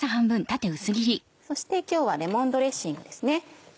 そして今日はレモンドレッシングですね。